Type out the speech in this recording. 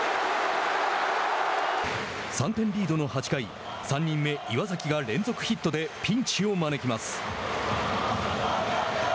３点リードの８回３人目、岩崎が連続ヒットでピンチを招きます。